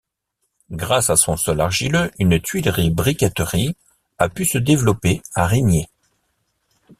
Grâce à son sol argileux, une tuilerie-briqueterie a pu se développer à Rigné.